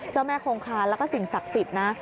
เจ้าแม่คงคานแล้วก็สิ่งศักดิ์สิทธิ์นะ